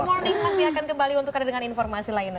dan good morning masih akan kembali untuk ada dengan informasi lain